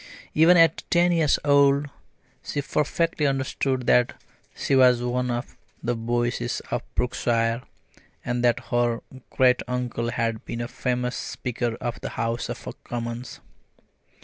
Even at ten years old she perfectly understood that she was one of the Boyces of Brookshire, and that her great uncle had been a famous Speaker of the House of Commons.